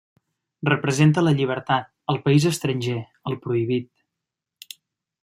Representa la llibertat, el país estranger, el prohibit.